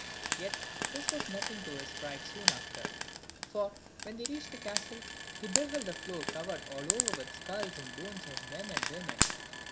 Yet this was nothing to his fright soon after; for, when they reached the castle, he beheld the floor covered all over with the skulls and bones of men and women.